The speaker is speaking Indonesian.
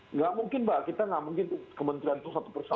nggak mungkin mbak kita nggak mungkin kementerian itu satu persatu